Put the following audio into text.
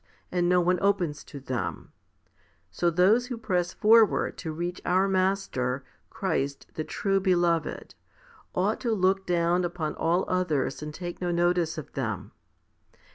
HOMILY XV 115 and no one opens to them ; so those who press forward to reach our Master, Christ the true Beloved, ought to look down upon all others and take no notice of them.